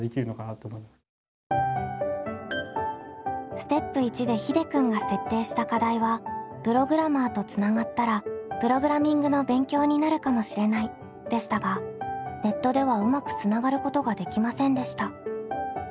ステップ１でひでくんが設定した課題は「プログラマーとつながったらプログラミングの勉強になるかもしれない」でしたがネットではうまくつながることができませんでした。